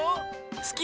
すき？